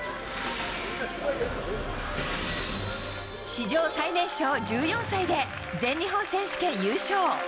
史上最年少１４歳で全日本選手権優勝。